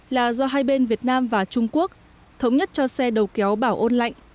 là do hai bên việt nam và trung quốc thống nhất cho xe đầu kéo bảo ôn lạnh